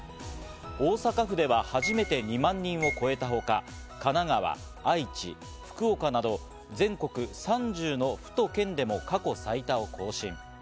大阪府では初めて２万人を超えたほか、神奈川、愛知、福岡など全国３０の府と県でも過去最多を更新。